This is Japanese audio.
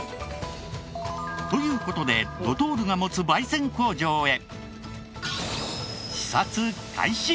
という事でドトールが持つ焙煎工場へ。